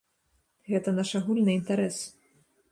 Гэта наш агульны інтарэс.